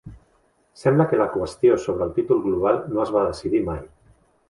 Sembla que la qüestió sobre el títol global no es va decidir mai.